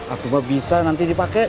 atau mbak bisa nanti dipake